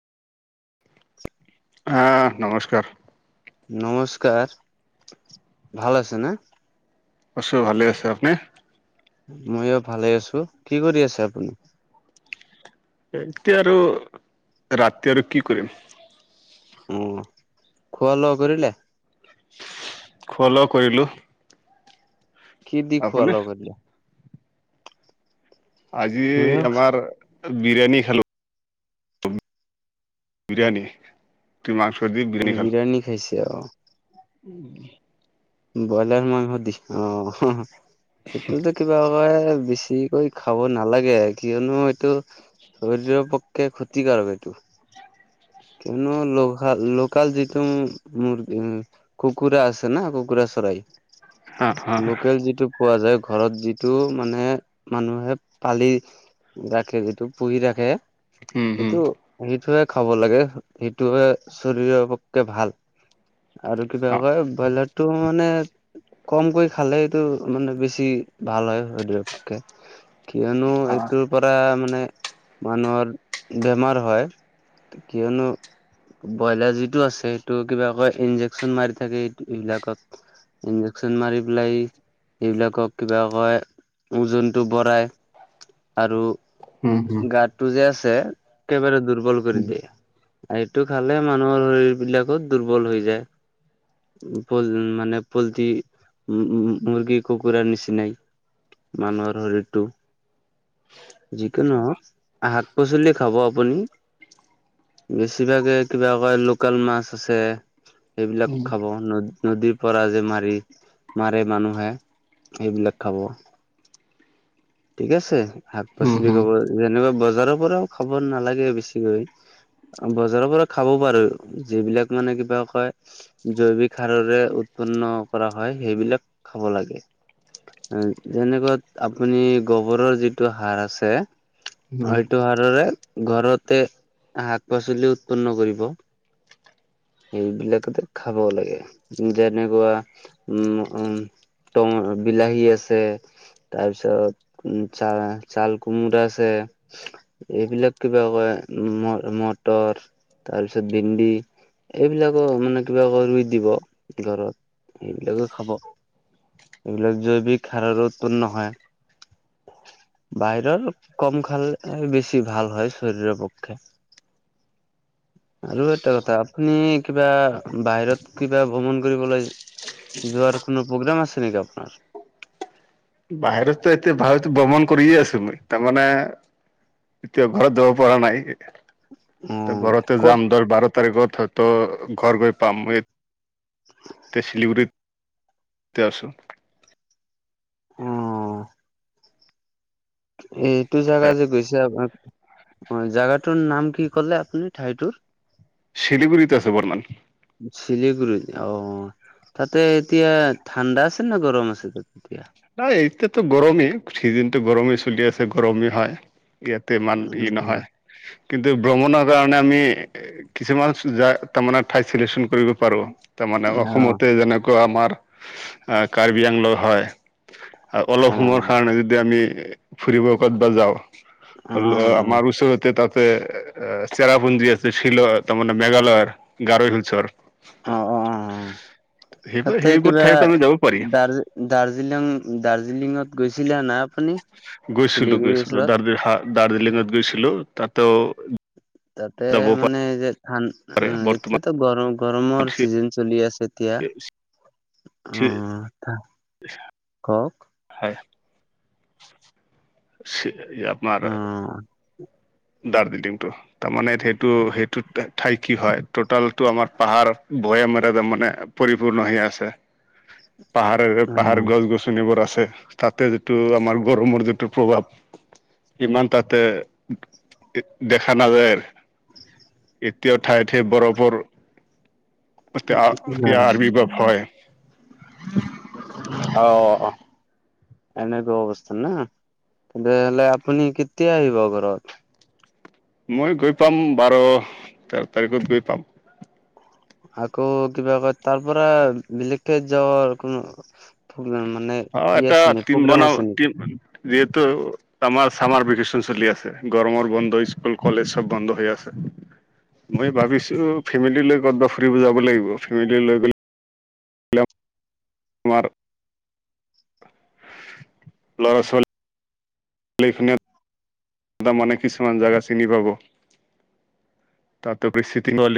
আ, নমস্কাৰ। নমস্কাৰ, ভাল আছে নে? আছোঁ, ভালে আছোঁ, আপুনি? ময়ো ভালে আছোঁ‌, কি কৰি আছে আপুনি? এনকে আৰু, ৰাতি আৰু কি কৰিম? অ', খোৱা লোৱা কৰিলে? খোৱা-লোৱা কৰিলোঁ‌, খি দি খোৱা-লোৱা কৰিলে? আজি ময়ো আমাৰ বিৰিয়ানী খালোঁ‌। বিৰিয়াণী, ৰুতি মাংস দি বিৰিয়াণী খালোঁ‌। বিৰিয়ানী খাইছে অ' বইলাৰ মাংস দি, অ', হঁ-হঁ ইটো টো কিবা কয় বেছিকৈ খাব নালাগে, কিয়নো এইটো শৰীৰ প ক্ষে ক্ষতিকাৰক এইটো। কিনো লোহা-লোকাল যিটো মুৰ্গী, উম। কুকুৰা আছে না কুকুৰা চৰাই? হা হা লোকেল যিটো কোৱা যায়, ঘৰত যিটো মানে মানুহে পালি ৰাখে, যিটো পুহি ৰাখে উম হম সেইটো, সেইটোহে খাব লাগে। সেইটোহে চৰীৰৰ পক্কে ভাল, আৰু কিবা অ কয় কয়লাৰ টো মানে কম কৈ খালে এইটো মানে বেছি ভাল শৰীৰৰ পক্ষে। কিয়নো অ এইটোৰ পৰা মানে মানুহৰ বেমাৰ হয়। কিয়নো ব্ৰইলাৰ যিটো আছে, সেইটো কিবা কয়, ইনজেকচন মাৰি থাকে এইট এইবিলাকক। ইনজেকশন মাৰি পেলাই এইবিলাকক কিবা কয়, ওজনতটো বঢ়াই আৰু উম-উম। তো যে আছে, একেবাৰে দুৰ্বল কৰি উম দিয়ে। এইটো খালে মানুহৰ শৰীৰ বিলাকো দুৰ্বল হৈ যায়। পল মানে পলটি উম মুৰ্গী কুকুৰাৰ নিচিনাই। মানুহৰ শৰীৰটো। যিকি নহওক শাক পাচলি খাব আপুনি। বেছিভাগে কিবা কয় লোকেল মাছ আছে সেইবিলাক খাব নদ নদীৰ পৰা যে মাৰি মাৰে মানুহে সেইবিলাক খাব। ঠিক আছে শাক উম পাচলি হম খাব যেনেকে বজাৰৰ পৰাও খাব নালাগে বেছিকৈ। বজাৰৰ পৰা খাবও পাৰো যিবিলাক মানে কিবা কয় জৈৱিক সাৰৰে উৎপন্ন কৰা হয় সেইবিলাক খাব লাগে। যেনেকৈ আপুনি গবৰৰ যিটো সাৰ আছে অঁ উম সেটো সাৰ দৰে ঘৰতে শাক পাচলি উৎপন্ন কৰিব। এইবিলাকতে খাব লাগে যেনেকুৱা উম উম। ট বিলাহী আছে তাৰপিছত উ চাল কুমোৰা আছে। এইবিলাক কিবা কয় মটৰ তাৰপিছত ভেন্দি। এইবিলাকো মানে কিবা আকৌ ৰুই দিব ঘৰত সেইবিলাকে খাব। এইবিলাক জৈৱিক সাৰৰো উৎপন্ন নহয়। বাহিৰৰ কম খালে বেছি ভাল হয় শৰীৰৰ পক্ষে। [unintelligible] আৰু এটা কথা আপুনি কিবা বাহিৰত কিবা ভ্ৰমণ কৰিবলৈ যোৱাৰ কোনো প্ৰ'গ্ৰাম আছে নেকি আপোনাৰ? বাহিৰততো এতিয়া ভাৰত ভ্ৰমণ কৰিয়ে আছো মই তাৰমানে এতিয়া ঘৰত যাব পৰা নাই। অ', ঘৰতে ক'ত? যাম দহ বাৰ তাৰিখত হয়তো ঘৰ গৈ পাম। এতিয়া শিলিগুৰিতে আছো। অ এইটো জেগা যে গৈছে আপুনাৰ অ জেগাটোৰ নাম কি কলে আপুনি ঠাইটোৰ শিলিগুৰিত আছো বৰ্তমান। শিলিগুৰিত অ তাতে এতিয়া ঠাণ্ডা আছে নে গৰম আছে তাত এতিয়া। এই এতিয়াতো গৰমেই চিজনটো গৰমেই চলি আছে গৰমেই হয়। ইয়াতে ইমান ভিৰ উম নহয়। কিন্তু ভ্ৰমণৰ কাৰণে আমি কিছুমান চোজাৰ তাৰমানে ঠাই চিলেক্যন কৰিব পাৰোঁ তাৰমানে অ অসমতে যেনেকুৱা আমাৰ কাৰ্বি আংলং হয়। অ অ অলপ সময়ৰ কাৰণে যদি আমি ফুৰিব ক'ত বা যাওঁ অ ধৰি ল আমাৰ ওচৰত তাতে চেৰাপুঞ্জী আছে শ্বিলং তাৰ মানে মেঘালয়ৰ গাৰ হিলচৰ। অ অ অ অ সেইবোৰ তাতে সেইবোৰ কিবা ঠাইত আমি যাব পাৰি দাৰ্জি দাৰ্জিলিং দাৰ্জিলিঙত গৈছিলা না। আপুনি গৈছিলো শিলিগুৰিৰ গৈছিলো ওচৰত দাৰ্জিলা দাৰ্জিলিঙত গৈছিলো তাতেও তাতে যাব পাৰি মানে যে ধান কৰে অ বৰ্তমান এইটোতো গৰম গৰমৰ চি চিজন চলি আছে। এতিয়া অ পেছাপ অক হয় আমাৰ অ দাৰ্জিলিং টোৰ। তাৰমানে সেইটো সেইটো ঠাই কি হয় টোটেল টো আমাৰ পাহাৰ ভৈয়ামেৰে তাৰ মানে পৰিপূৰ্ণ হৈ আছে। [inaudible] পাহাৰেৰে পাহাৰ গছ-গছনিবোৰ আছে। তাতে যিটো আমাৰ গৰমৰ যিটো প্ৰভাৱ, ইমান তাতে দেখা নাজায়। এতিয়াও ঠায়ে ঠায়ে বৰফৰ [unintelligible] ভয় অ' অহ। এনেকুৱা অৱস্থা না, তেনেহ'লে আপুনি কেতিয়া আহিব ঘৰত। মই গৈ পাম বাৰ, তেৰ তাৰিখত গৈ পাম। আকৌ কিবা কয়, তাৰ পৰা বেলেক গাড়ীত যাৱাৰ কোনো মানে অ', ই এটা আছেনে? নেকি টিম প্ৰগ্ৰেম বনাও আছে টিম নেকি? যিহেতু আমাৰ চামাৰ ভেকেচন চলি আছে, গৰমৰ বন্ধ ইস্কুল, কলেজ চব বন্ধ হৈ আছে। মই ভাবিছোঁ ফেমিলি লৈ ক'তবা ফুৰিব যাব লাগিব, ফেমিলি লৈ গ'লে [inaudible] ল'ৰা-ছোৱাল [unintelligible] [unintelligible] মানে কিছুমান জাগা চিনি পাব। তাত [unintelligible]